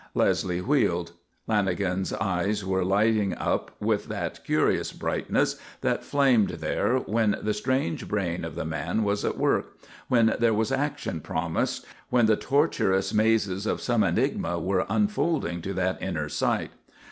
Leslie wheeled. Lanagan's eyes were lighting up with that curious brightness that flamed there when the strange brain of the man was at work, when there was action promised, when the tortuous mazes of some enigma were unfolding to that inner sight.